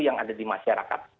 yang ada di masyarakat